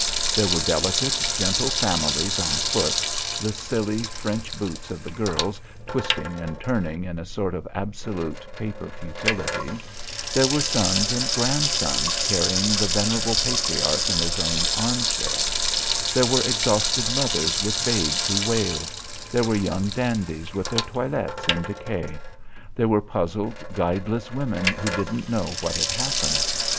There were delicate gentle families on foot, the silly French boots of the girls twisting and turning in a sort of absolute paper futility; there were sons and grandsons carrying the venerable patriarch in his own armchair; there were exhausted mothers with babes who wailed; there were young dandies with their toilettes in decay; there were puzzled, guideless women who didn't know what had happened.